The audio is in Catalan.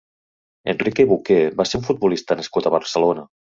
Enrique Buqué va ser un futbolista nascut a Barcelona.